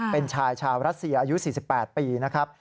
เป็นชายชาวรัสเซียอายุ๔๘ปีนะครับ